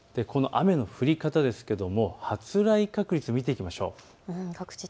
雨の降り方ですけれども発雷確率見ていきましょう。